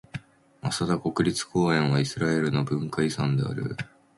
マサダ国立公園はイスラエルの文化遺産である。